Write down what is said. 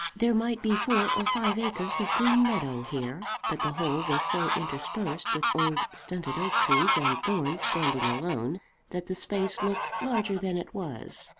There might be four or five acres of green meadow here; but the whole was so interspersed with old stunted oak trees and thorns standing alone that the space looked larger than it was.